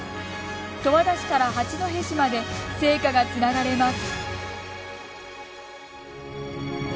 十和田市から八戸市まで聖火がつながれます。